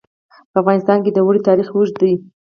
په افغانستان کې د اوړي تاریخ اوږد دی.